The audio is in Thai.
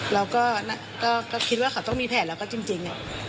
เราก็คิดว่าเขาต้องมีแผนแล้วก็จริง